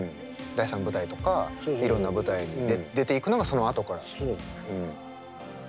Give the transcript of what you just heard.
第三舞台とかいろんな舞台に出ていくのがそのあとからなんですね。